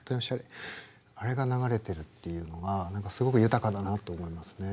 あれが流れているっていうのが何かすごく豊かだなと思いますね。